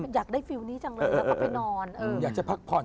อยากได้ฟิวนี้จังเลยกลับไปนอน